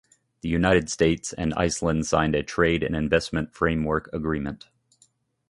The United States and Iceland signed a Trade and Investment Framework Agreement.